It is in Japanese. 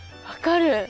分かる！